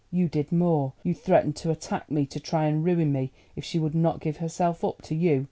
You did more: you threatened to attack me, to try and ruin me if she would not give herself up to you.